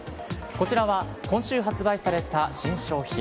こちらは今週発売された新商品。